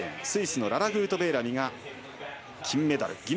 スイスのララ・グートベーラミが金メダル。